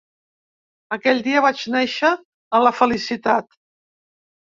Aquell dia vaig néixer a la felicitat.